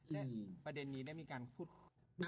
และประเด็นนี้ได้มีการพูด